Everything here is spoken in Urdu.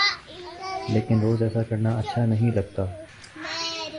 لیکن روز ایسا کرنا اچھا نہیں لگتا۔